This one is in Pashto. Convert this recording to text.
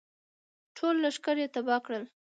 ټول لښکر یې تباه کړل.